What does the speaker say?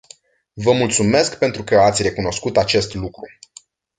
Vă mulțumesc pentru că ați recunoscut acest lucru.